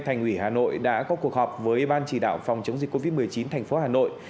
thành ủy hà nội đã có cuộc họp với ban chỉ đạo phòng chống dịch covid một mươi chín thành phố hà nội